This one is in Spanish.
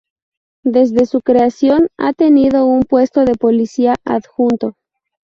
Desde su creación, ha tenido un puesto de policía adjunto.